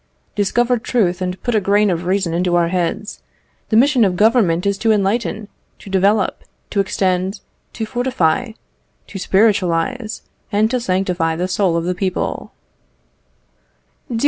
"Discover truth, and put a grain of reason into our heads. The mission of Government is to enlighten, to develop, to extend, to fortify, to spiritualize, and to sanctify the soul of the people."